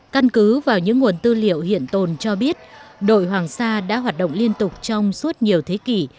căn cứ vào những nguồn tư liệu hiện tồn cho biết đội hoàng sa đã hoạt động liên tục trong suốt nhiều thế kỷ